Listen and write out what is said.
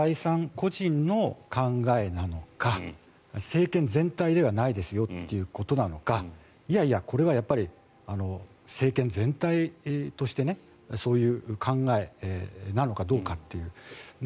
個人の考えなのか政権全体ではないですよということなのかいやいや、これは政権全体としてそういう考えなのかどうかっていう。